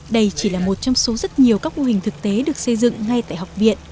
đây chỉ là một trong số rất nhiều các mô hình thực tế được xây dựng ngay tại học viện